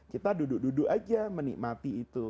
kita duduk duduk aja menikmati itu